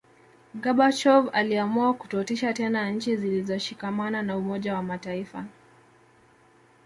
Gorbachov aliamua kutotisha tena nchi zilizoshikamana na Umoja wa mataifa